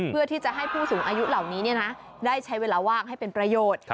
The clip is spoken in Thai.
เพื่อที่จะให้ผู้สูงอายุเหล่านี้ได้ใช้เวลาว่างให้เป็นประโยชน์